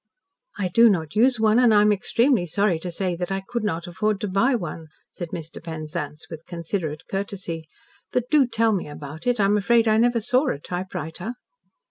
"I do not use one, and I am extremely sorry to say that I could not afford to buy one," said Mr. Penzance with considerate courtesy, "but do tell me about it. I am afraid I never saw a typewriter."